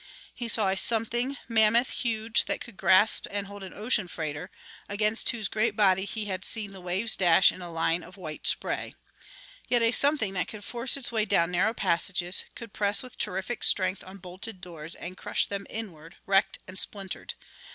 He saw a something, mammoth, huge, that could grasp and hold an ocean freighter against whose great body he had seen the waves dash in a line of white spray. Yet a something that could force its way down narrow passages, could press with terrific strength on bolted doors and crush them inward, wrecked and splintered.